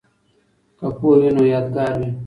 که پوهه وي نو یادګار وي.